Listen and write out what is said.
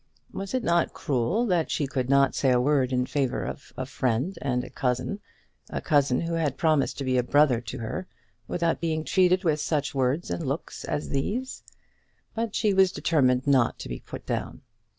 Was it not cruel that she could not say a word in favour of a friend and a cousin, a cousin who had promised to be a brother to her, without being treated with such words and such looks as these? But she was determined not to be put down.